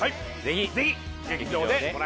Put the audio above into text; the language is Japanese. ぜひ劇場でご覧